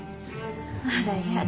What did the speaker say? ・あらやだ。